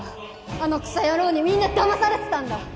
あのクソ野郎にみんなだまされてたんだ！